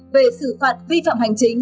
về sự phạt vi phạm hành chính